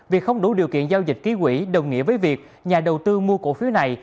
vì không đủ điều kiện giao dịch ký quỷ đồng nghĩa với việc nhà đầu tư mua cổ phiếu này